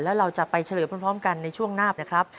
แล้วเราจะไปเฉลยพร้อมกันในช่วงหน้านะครับ